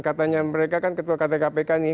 katanya mereka kan ketua kpk nih